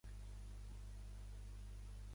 La cataracta no tornarà, com s'ha eliminat la lent.